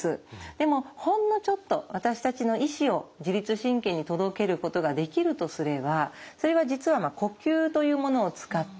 でもほんのちょっと私たちの意思を自律神経に届けることができるとすればそれは実は呼吸というものを使って。